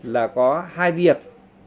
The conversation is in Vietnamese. là có hai việc